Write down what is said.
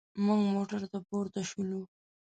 موږ موټر ته پورته شولو.